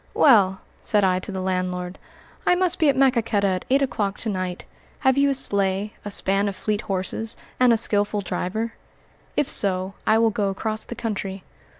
"Well," said I to the landlord, "I must be at Maquoketa at eight o'clock to night; have you a sleigh, a span of fleet horses, and a skillful driver? If so, I will go across the country."